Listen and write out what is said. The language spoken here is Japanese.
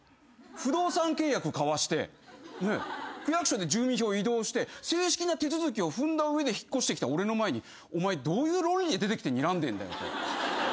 不動産契約交わして区役所で住民票移動して正式な手続きを踏んだ上で引っ越してきた俺の前にお前どういう論理で出てきてにらんでんだよ？と。